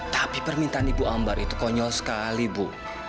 tapi permintaan ibu ambar itu konyol sekali bu